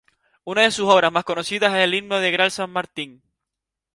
Una de sus obras más conocidas, es el Himno del Gral San Martín.